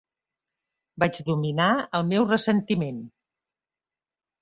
Vaig dominar el meu ressentiment.